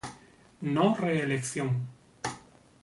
No Reelección.